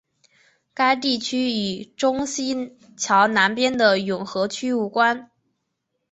该地区与中正桥南边的永和区无关。